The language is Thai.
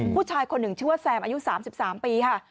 ผู้ชายคนหนึ่งชื่อว่าแซมอายุ๓๓ปีค่ะ